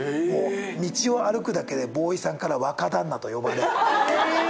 道を歩くだけでボーイさんから若旦那と呼ばれ。